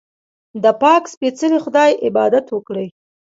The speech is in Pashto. د پاک سپېڅلي خدای عبادت وکړئ.